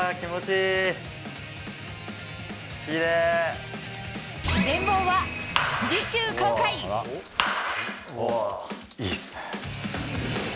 いいっすね。